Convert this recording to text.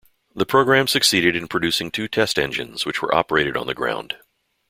The program succeeded in producing two test engines, which were operated on the ground.